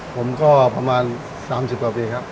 ผมก็ประมาณ๓๐กว่าปีครับ